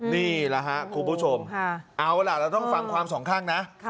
นี่แหละครับคุณผู้ชมเอาล่ะเราต้องฟังความสองข้างนะ